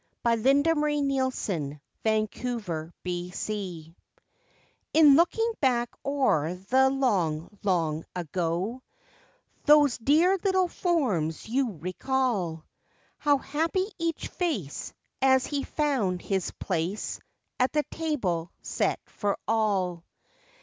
54 LIFE WAVES THE TABLE SET FOR ONE In looking back o'er the long, long ago Those dear little forms you recall, How happy each face As he found his place At the table set for all.